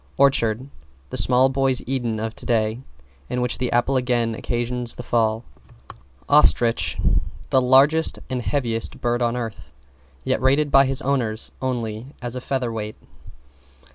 =ORCHARD= The small boy's Eden of today, in which the apple again occasions the fall. =OSTRICH= The largest and heaviest bird on earth, yet rated by his owners only as a featherweight.